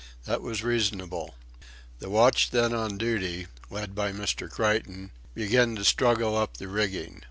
That was reasonable. The watch then on duty, led by Mr. Creighton, began to struggle up the rigging.